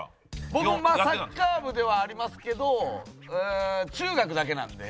僕もサッカー部ではありますけど中学だけなんで。